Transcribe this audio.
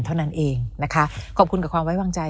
เท่านั้นเองนะคะขอบคุณกับความไว้วางใจ